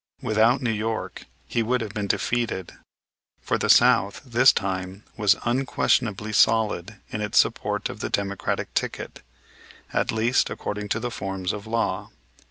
Without New York he would have been defeated; for the South this time was unquestionably solid in its support of the Democratic ticket; at least, according to the forms of law.